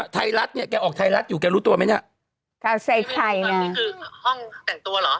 ไทยรัฐเนี่ยแกออกไทยรัฐอยู่แกรู้ตัวไหมเนี่ยข่าวใส่ไข่เนี่ยนี่คือห้องแต่งตัวเหรอ